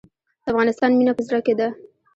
د افغانستان مینه په زړه کې ده